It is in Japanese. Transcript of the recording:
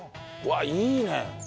うわっいいね！